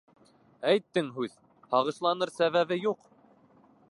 Әйттең һүҙ! һағышланыр сәбәбе юҡ.